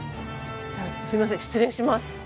すいません失礼します。